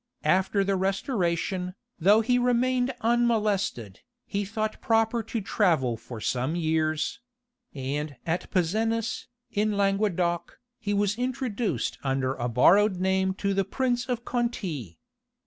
After the restoration, though he remained unmolested, he thought proper to travel for some years; and at Pezenas, in Languedoc, he was introduced under a borrowed name to the prince of Conti.